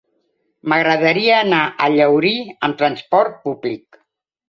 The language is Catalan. M'agradaria anar a Llaurí amb transport públic.